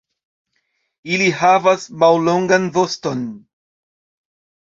Ili havas mallongan voston.